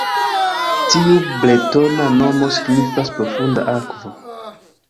Tiu bretona nomo signifas "profunda akvo".